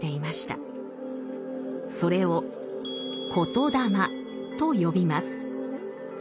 それを「言霊」と呼びます。